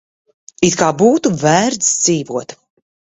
It kā būtu vērts dzīvot.